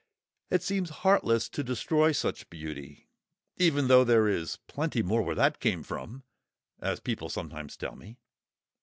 It seems heartless to destroy such beauty, even though there is "plenty more where that came from," as people sometimes tell me.